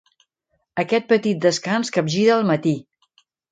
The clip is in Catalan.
Aquest petit descans capgira el matí.